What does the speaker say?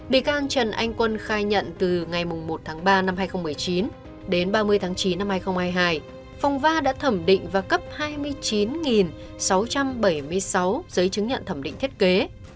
bị can trần anh quân khai nhận từ ngày một tháng ba năm hai nghìn một mươi chín đến ba mươi tháng chín năm hai nghìn hai mươi hai phòng va đã thẩm định và cấp hai mươi chín sáu trăm bảy mươi sáu giấy chứng nhận thẩm định thiết kế